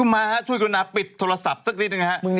มาช่วยกรุณาปิดโทรศัพท์สักนิดหนึ่งฮะ